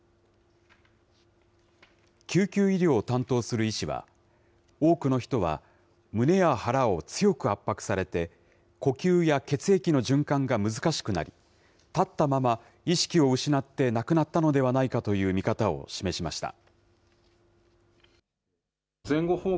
救急医療を担当する医師は、多くの人は胸や腹を強く圧迫されて、呼吸や血液の循環が難しくなり、立ったまま、意識を失って亡くなったのではないかという見方を示しました。